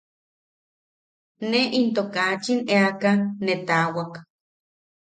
Ne into kachin eaka ne taawak.